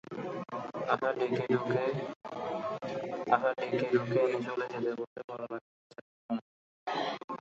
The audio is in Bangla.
আহা, ডেকেড়ুকে এনে চলে যেতে বললে বড় লাগবে বেচারির মনে।